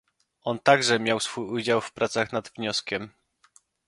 On także miał swój udział w pracach nad wnioskiem